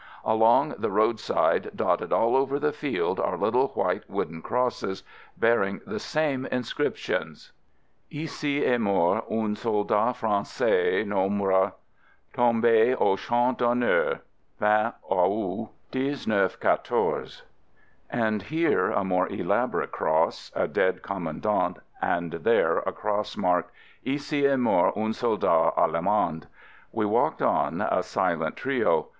Along the roadside, dotted all over the field, are little white wooden crosses, bearing the same inscriptions: " Ici est mort un soldat francais No tombe au Champ d'Honneur, 20 aout, 1914.'* and here a more elaborate cross, a dead commandant, and there a cross marked, "Ici est mort un soldat allemand." We walked on, a silent trio.